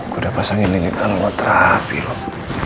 gue udah pasangin lilit kalau lo terapi loh